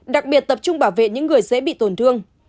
đặc biệt tập trung bảo vệ những người dễ bị tổn thương